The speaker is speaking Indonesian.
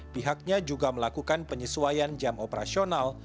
pihaknya juga melakukan penyesuaian jam operasional